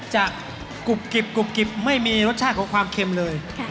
จะกรุบกริบกรุบกริบไม่มีรสชาติของความเค็มเลย